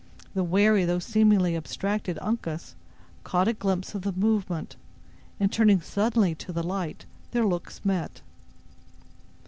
The wary, though seemingly abstracted Uncas, caught a glimpse of the movement, and turning suddenly to the light, their looks met.